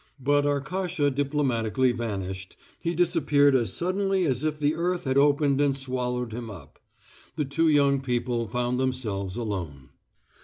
But Arkasha diplomatically vanished he disappeared as suddenly as if the earth had opened and swallowed him up. The two young people found themselves alone.